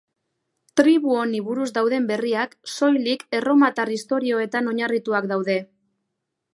Tribu honi buruz dauden berriak, soilik erromatar istorioetan oinarrituak daude.